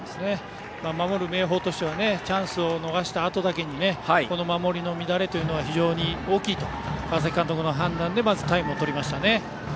守る明豊としてはチャンスを逃したあとだけにこの守りの乱れは非常に大きいという川崎監督の判断でタイムをとりました。